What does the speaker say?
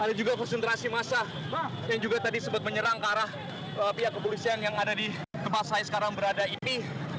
ada juga konsentrasi massa yang juga tadi sempat menyerang ke arah pihak kepolisian yang ada di tempat saya sekarang berada ini